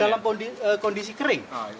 dalam kondisi kering